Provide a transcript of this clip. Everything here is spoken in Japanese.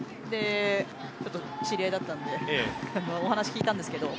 ちょっと知り合いだったのでお話、聞いたんですけど